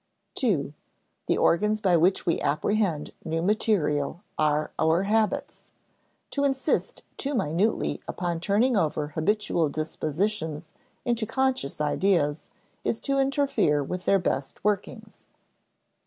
(ii) The organs by which we apprehend new material are our habits. To insist too minutely upon turning over habitual dispositions into conscious ideas is to interfere with their best workings.